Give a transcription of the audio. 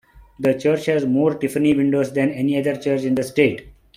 The church has more Tiffany windows than any other church in the state.